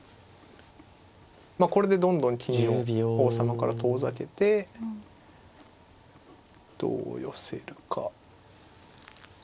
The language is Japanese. これでどんどん金を王様から遠ざけてどう寄せるか。